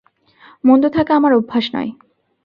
মন্দ থাকা আমার অভ্যাস নয়।